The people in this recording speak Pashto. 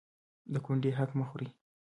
د کونډې حق مه خورئ